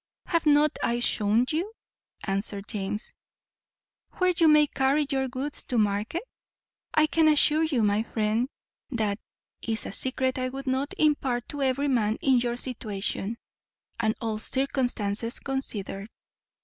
"Have not I shewn you," answered James, "where you may carry your goods to market? I can assure you, my friend, that is a secret I would not impart to every man in your situation, and all circumstances considered."